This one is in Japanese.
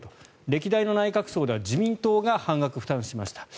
歴代の内閣葬では自民党が半額負担しました。